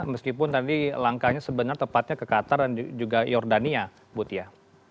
meskipun tadi langkahnya sebenarnya tepatnya ke qatar dan juga jordania butia